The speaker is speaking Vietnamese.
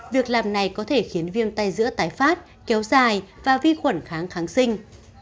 việc làm này có thể khiến viêm tay giữa tái phát kéo dài và vi khuẩn kháng kháng sinh